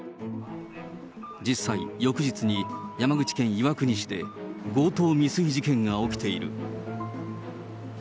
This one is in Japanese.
実際、翌日に山口県岩国市で強盗未遂事件が起きている。